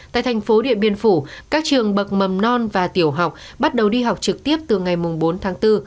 tại thành phố điện biên phủ các trường bậc mầm non và tiểu học bắt đầu đi học trực tiếp từ ngày bốn tháng bốn